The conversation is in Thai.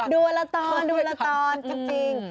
ดูวัลตอนดูวัลตอนจริง